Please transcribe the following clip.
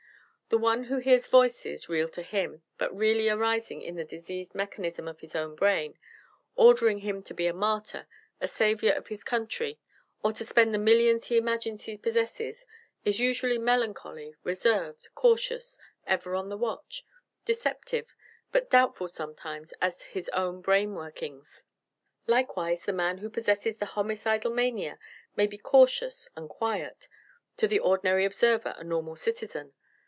"The one who hears voices, real to him, but really arising in the diseased mechanism of his own brain ordering him to be a martyr, a saviour of his country, or to spend the millions he imagines he possesses, is usually melancholy, reserved, cautious, ever on the watch, deceptive, but doubtful sometimes as to his own brain workings. "Likewise, the man who possesses the homicidal mania may be cautious and quiet to the ordinary observer a normal citizen.